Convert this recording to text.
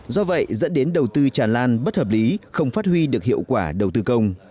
do vậy dẫn đến đầu tư tràn lan bất hợp lý không phát huy được hiệu quả đầu tư công